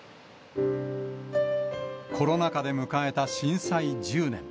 コロナ禍で迎えた震災１０年。